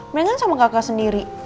mereka kan sama kakak sendiri